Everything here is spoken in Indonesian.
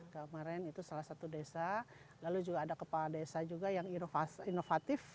kemarin itu salah satu desa lalu juga ada kepala desa juga yang inovatif